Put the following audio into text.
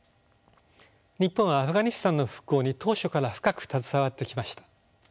日本はアフガニスタンの復興に当初から深く携わってきました。